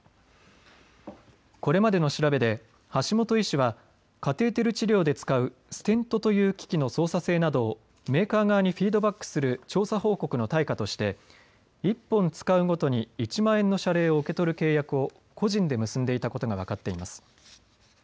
これまでの調べで橋本医師はカテーテル治療で使うステントという機器の操作性などをメーカー側にフィードバックする調査報告の対価として１本使うごとに１万円の謝礼を受け取る契約を個人で結んでいたことが分かっています。